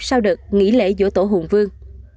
sau được nghỉ lễ giữa tổ hùng vương